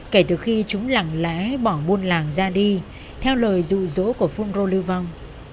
kể từ khi chúng lẳng lẽ bỏ muôn làng ra đi theo lời dụ dỗ của phun rô lưu vong